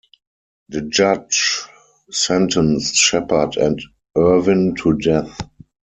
The judge sentenced Shepherd and Irvin to death.